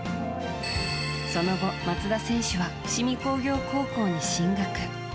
その後、松田選手は伏見工業高校に進学。